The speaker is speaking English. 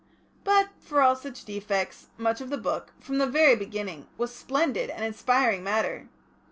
But for all such defects, much of the Book, from the very beginning, was splendid and inspiring matter.